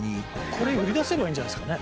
これ売り出せればいいんじゃないですかね。